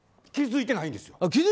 気づいてないんです。